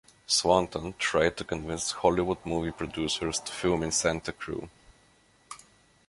Swanton tried to convince Hollywood movie producers to film in Santa Cruz.